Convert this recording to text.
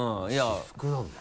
私服なんだ。